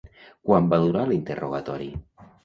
Quant va durar l'interrogatori?